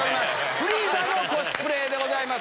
フリーザのコスプレでございます。